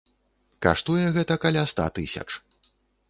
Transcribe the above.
Каштуе гэта каля ста тысяч.